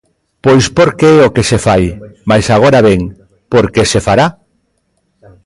Pois porque é o que se fai, mais, agora ben: Por que se fará?